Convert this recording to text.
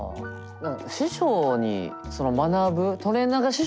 師匠にその学ぶ。